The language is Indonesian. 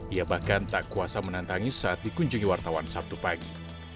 ia bahkan tak kuasa menantangi saat dikunjungi wartawan sabtu pagi